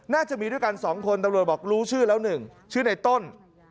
น่าจะมีด้วยกัน๒คนตำรวจบอกรู้ชื่อแล้ว๑ชื่อในต้น